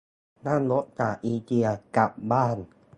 นั่งรถจากอิเกียกลับบ้าน